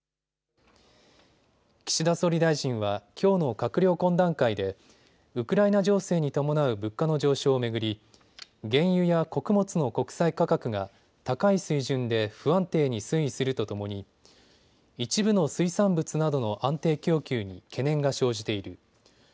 岸田総理大臣はきょうの閣僚懇談会でウクライナ情勢に伴う物価の上昇を巡り原油や穀物の国際価格が高い水準で不安定に推移するとともに一部の水産物などの安定供給に懸念が生じている。